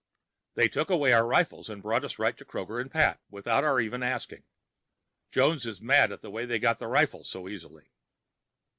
They took away our rifles and brought us right to Kroger and Pat, without our even asking. Jones is mad at the way they got the rifles so easily.